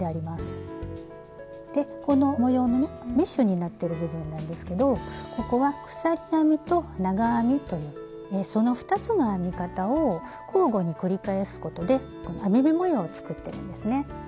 でこの模様のねメッシュになってる部分なんですけどここは鎖編みと長編みというその２つの編み方を交互に繰り返すことで網目模様を作ってるんですね。